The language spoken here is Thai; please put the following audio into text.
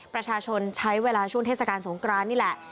ประชาชนใช้เวลาช่วงเทศกาลสงกรานนี่แหละ